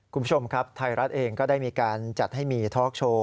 คุณผู้ชมครับไทยรัฐเองก็ได้มีการจัดให้มีทอล์กโชว์